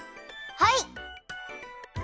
はい！